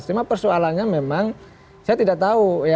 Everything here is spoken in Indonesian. cuma persoalannya memang saya tidak tahu